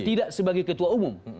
tidak sebagai ketua umum